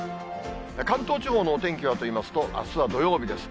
関東地方のお天気はといいますと、あすは土曜日です。